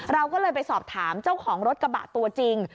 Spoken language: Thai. เราก็เลยไปสอบถามเจ้าของรถกระบะตัวจริง